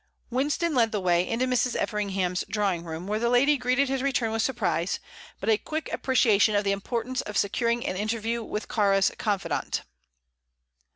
Winston led the way into Mrs. Everingham's drawing room, where the lady greeted his return with surprise, but a quick appreciation of the importance of securing an interview with Kāra's confidant.